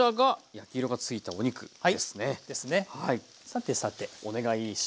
さてさてお願いします。